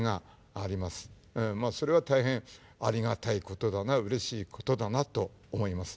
それは大変ありがたいことだなうれしいことだなと思います。